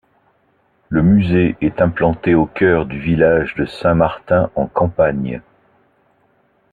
Le musée est implanté au cœur du village de Saint-Martin-en-Campagne.